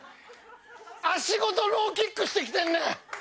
足ごとローキックしてきてんねん。